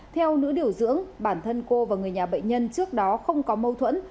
theo nữ điều dưỡng bản thân cô và người nhà bệnh nhân trước đó không có mâu thuẫn